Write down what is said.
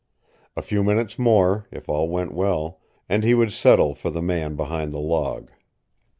A few minutes more, if all went well, and he would settle for the man behind the log.